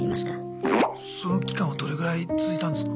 その期間はどれぐらい続いたんですか？